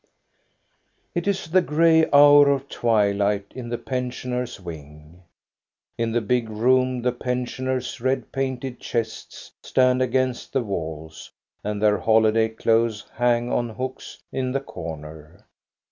It is the gray hour of twilight in the pensioners' wing. In the big room the pensioners' red painted chests stand against the walls, and their holiday clothes hang on hooks in the corner.